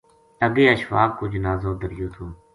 اگے اشفاق کو جنازو دھریو تھو